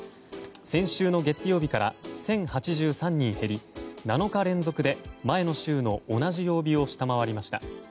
先週の月曜日から１０８３人減り７日連続で前の週の同じ曜日を下回りました。